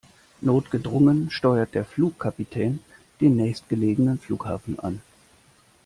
Notgedrungen steuert der Flugkapitän den nächstgelegenen Flughafen an.